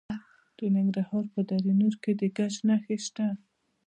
د ننګرهار په دره نور کې د ګچ نښې شته.